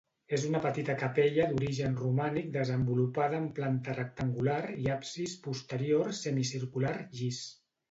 És una petita capella d'origen romànic desenvolupada en planta rectangular i absis posterior semicircular llis.